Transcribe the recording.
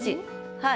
はい。